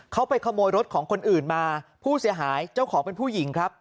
เขาไปขโมยรถของคนอื่นมาผู้เสียหายเจ้าของเป็นผู้หญิงครับ